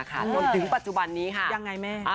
จริงจำบันนี้ค่ะ